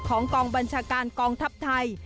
กองบัญชาการกองทัพไทย